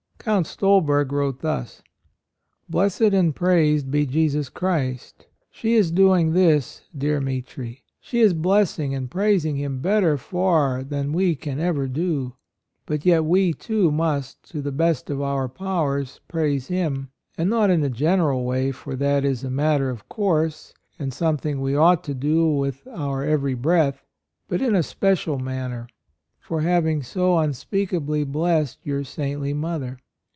Count Stolberg wrote thus: 108 A ROYAL SON "Blessed and praised be Jesus Christ ! She is doing this, dearest Mitri! ... She is blessing and praising Him better far than we can ever do. But yet we, too, must, to the best of our powers, praise Him — and not in a general way, for that is a matter of course, and some thing we ought to do with our every breath, but in a special manner, — for having so unspeakably blessed your saintly mother.